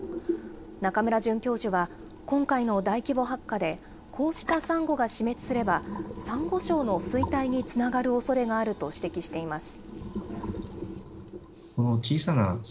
中村准教授は、今回の大規模白化でこうしたサンゴが死滅すれば、サンゴ礁の衰退につながるおそれがあると指摘しています。